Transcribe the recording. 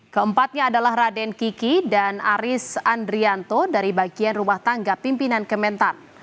keempatnya adalah raden kiki dan aris andrianto dari bagian rumah tangga pimpinan kementan